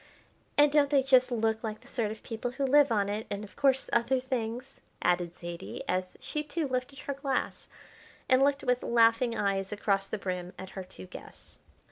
"And don't they just look like the sort of people who live on it, and, of course, other things?" added Zaidie, as she too lifted her glass, and looked with laughing eyes across the brim at her two guests.